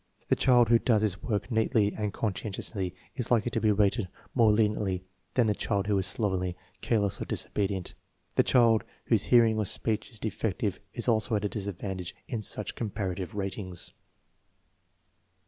The child who does his work neatly and conscientiously is likely to be rated more leniently than the child who is slovenly, careless, or disobedient. The child whose hearing or speech is defective is also at a disadvantage in such compara tive ratings.